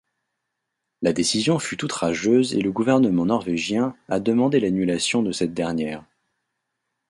La décision fut outrageuse et le gouvernement Norvégien a demandé l'annulation de cette dernière.